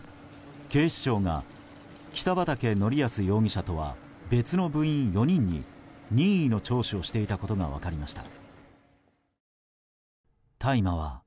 警視庁が北畠成文容疑者とは別の部員４人に任意の聴取をしていたことが分かりました。